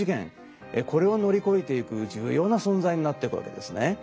これを乗り越えていく重要な存在になっていくわけですね。